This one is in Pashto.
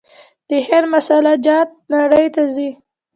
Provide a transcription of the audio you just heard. د هند مساله جات نړۍ ته ځي.